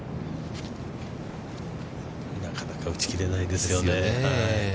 なかなか打ち切れないですよね。